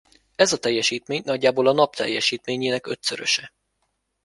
Ez a teljesítmény nagyjából a Nap teljesítményének ötszöröse.